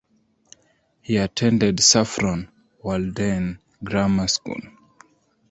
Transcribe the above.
He attended Saffron Walden Grammar School.